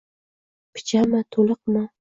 — Pichami, to‘liqmi?